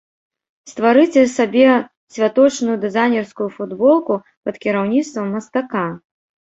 Стварыце сабе святочную дызайнерскую футболку пад кіраўніцтвам мастака!